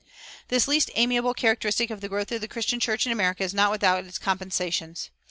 This least amiable characteristic of the growth of the Christian church in America is not without its compensations.